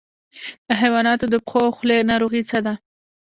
د حیواناتو د پښو او خولې ناروغي څه ده؟